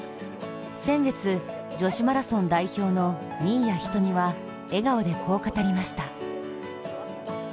先月、女子マラソン代表の新谷仁美は笑顔でこう語りました。